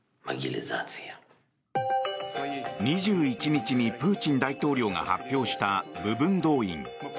２１日にプーチン大統領が発表した部分動員。